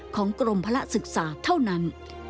ของกรมพระศึกษาเท่านั้น